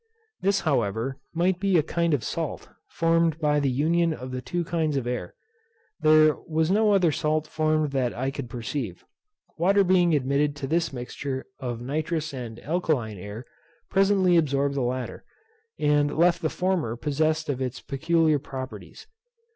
This, however, might be a kind of salt, formed by the union of the two kinds of air. There was no other salt formed that I could perceive. Water being admitted to this mixture of nitrous and alkaline air presently absorbed the latter, and left the former possessed of its peculiar properties.